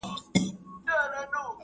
په سياسي ډګر کي خپل نفوذ زيات کړئ.